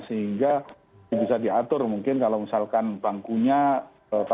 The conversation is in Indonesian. sehingga bisa diatur mungkin kalau misalkan bangkunya